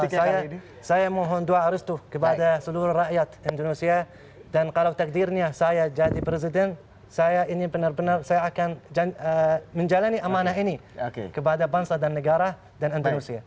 saya mohon doa arus tuh kepada seluruh rakyat indonesia dan kalau takdirnya saya jadi presiden saya ini benar benar saya akan menjalani amanah ini kepada bangsa dan negara dan antinosia